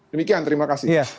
demikian terima kasih